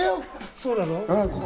そうなの？